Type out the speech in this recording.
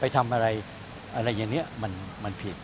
ทำอะไรอะไรอย่างนี้มันผิด